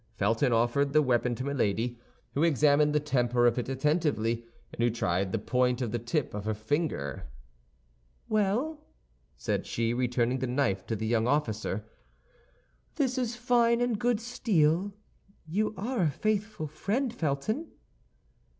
Felton offered the weapon to Milady, who examined the temper of it attentively, and who tried the point on the tip of her finger. "Well," said she, returning the knife to the young officer, "this is fine and good steel. You are a faithful friend, Felton."